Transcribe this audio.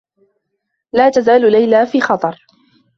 لا تزال ليلى في خطر.